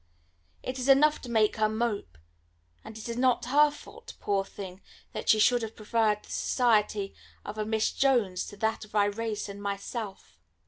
It is enough to make her mope, and it is not her fault, poor thing, that she should have preferred the society of a Miss Jones to that of Irais and myself.